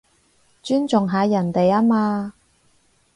尊重下人哋吖嘛